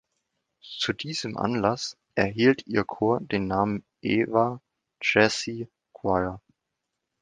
Zu diesem Anlass erhielt ihr Chor den Namen "Eva Jessye Choir".